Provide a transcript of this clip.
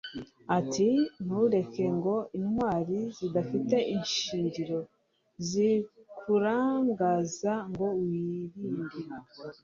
ati: ntureke ngo intwari zidafite ishingiro zikurangaza ngo wirinde